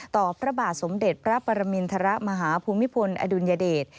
พระบาทสมเด็จพระปรมินทรมาฮภูมิพลอดุลยเดช